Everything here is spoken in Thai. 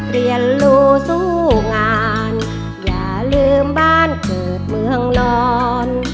เรียนโลสู้งานอย่าลืมบ้านเกิดเมืองร้อน